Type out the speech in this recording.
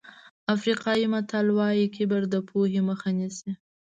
افریقایي متل وایي کبر د پوهې مخه نیسي.